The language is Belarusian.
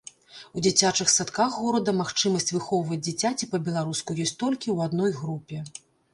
У дзіцячых садках горада магчымасць выхоўваць дзіцяці па-беларуску ёсць толькі ў адной групе.